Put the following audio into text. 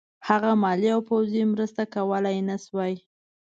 هغه مالي او پوځي مرسته کولای نه شوای.